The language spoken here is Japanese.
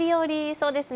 そうですね。